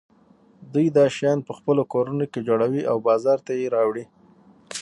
دوی دا شیان په خپلو کورونو کې جوړوي او بازار ته یې راوړي.